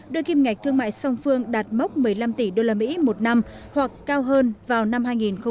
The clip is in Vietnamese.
đưa kim ngạch thương mại song phương đạt mốc một mươi năm tỷ usd một năm hoặc cao hơn vào năm hai nghìn hai mươi